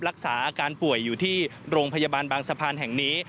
รักษาอาการป่วยอยู่ที่โรงพยาบาลบางสะพานแห่งนี้